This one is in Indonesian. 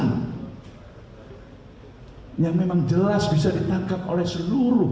yang memang jelas bisa ditangkap oleh seluruh